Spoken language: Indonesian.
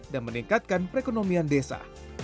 dan meningkatkan perekonomian desa